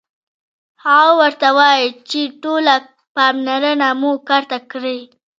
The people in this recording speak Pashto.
هغه ورته وايي چې ټوله پاملرنه مو کار ته کړئ